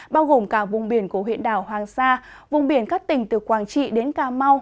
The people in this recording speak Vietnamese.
bao gồm cả vùng biển của huyện đảo hoàng sa vùng biển các tỉnh từ quảng trị đến cà mau